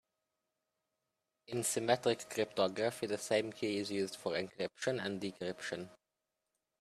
In symmetric cryptography the same key is used for encryption and decryption.